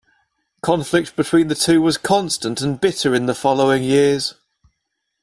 Conflict between the two was constant and bitter in the following years.